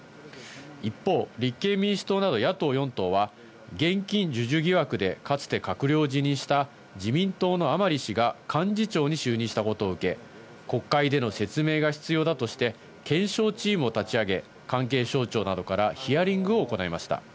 一方、立憲民主党など野党４党は現金授受疑惑でかつて閣僚を辞任した自民党の甘利氏が幹事長に就任したことを受け、国会での説明が必要だとして、検証チームを立ち上げ関係省庁などからヒアリングを行いました。